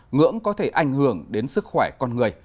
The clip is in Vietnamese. ngưỡng có thể ảnh hưởng đến sức khỏe con người